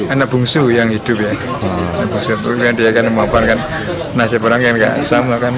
anak bungsu yang hidup ya dia kan memaparkan nasib orang yang gak sama kan